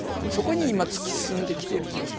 そこに今突き進んできていると。